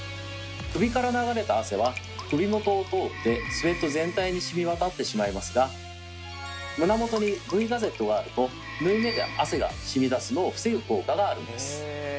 首から流れた汗は首元を通ってスウェット全体に染み渡ってしまいますが胸元にＶガゼットがあると縫い目で汗が染み出すのを防ぐ効果があるんです。